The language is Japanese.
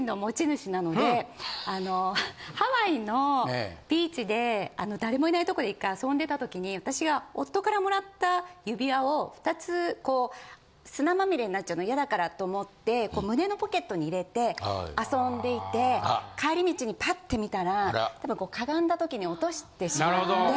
あのハワイのビーチで誰もいない所で１回遊んでた時に私が夫からもらった指輪を２つこう砂まみれになっちゃうの嫌だからと思って胸のポケットに入れて遊んでいて帰り道にパって見たらかがんだ時に落としてしまって。